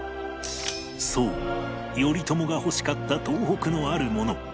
そう頼朝が欲しかった東北のあるもの